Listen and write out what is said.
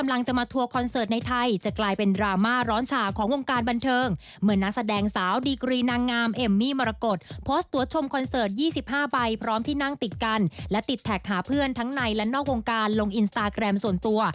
ลงอินสตาแกรมส่วนตัว